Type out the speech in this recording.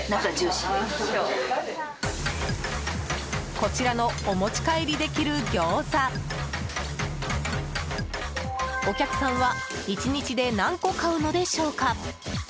こちらのお持ち帰りできるギョーザお客さんは１日で何個買うのでしょうか。